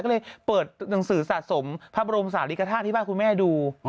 ก็เลยเปิดหนังสือสะสมพรพรมสาธกิจกระทั่งที่บ้านคุณแม่ดู